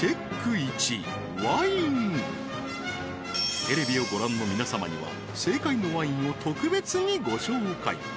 １テレビをご覧の皆様には正解のワインを特別にご紹介